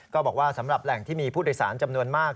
ก็บอกว่าสำหรับแหล่งที่มีผู้โดยสารจำนวนมาก